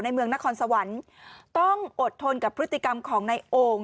เมืองนครสวรรค์ต้องอดทนกับพฤติกรรมของนายโอ่ง